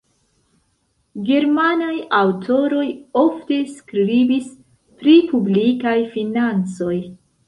Germanaj aŭtoroj ofte skribis pri publikaj financoj.